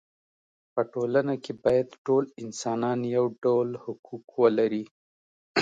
په ټولنه کې باید ټول انسانان یو ډول حقوق ولري.